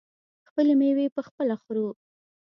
خپلې میوې پخپله خورو.